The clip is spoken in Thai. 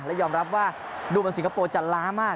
และยอมรับว่าดูเหมือนสิงคโปร์จะล้ามาก